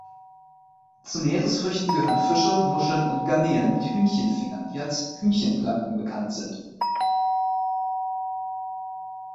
Zu Meeresfrüchten gehören Fische, Muscheln und Garnelen, mit Hühnchenfingern, die als „Hühnchen-Planken“ bekannt sind.